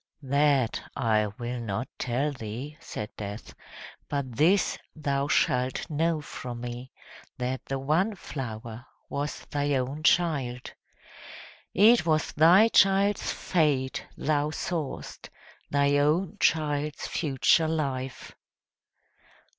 "That I will not tell thee," said Death; "but this thou shalt know from me, that the one flower was thy own child! it was thy child's fate thou saw'st thy own child's future life!"